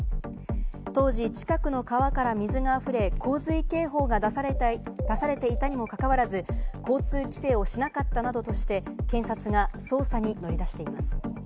当時、近くの川から水があふれ洪水警報が出されていたにもかかわらず、交通規制をしなかったなどとして、検察が捜査に乗り出しています。